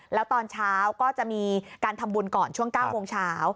แล้วตอนเช้าก็จะมีการทำบุญก่อนช่วง๙โมงเช้า